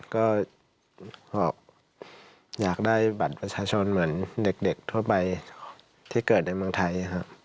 ก็อยากได้บัตรประชาชนเหมือนเด็กทั่วไปที่เกิดในเมืองไทยครับ